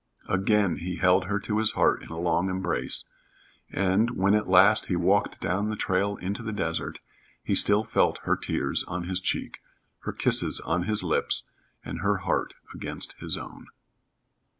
Again he held her to his heart in a long embrace, and, when at last he walked down the trail into the desert, he still felt her tears on his cheek, her kisses on his lips, and her heart against his own.